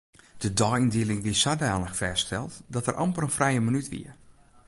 De deiyndieling wie sadanich fêststeld dat der amper in frije minút oer wie.